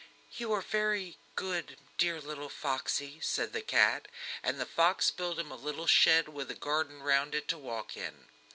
"You are very good, dear little sister foxey!" said the cat, and the fox built him a little shed with a garden round it to walk in.